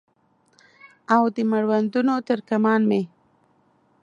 او د مړوندونو تر کمان مې